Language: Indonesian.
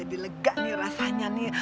mak jadi lega nih rasanya nih